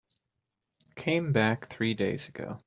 Came back three days ago.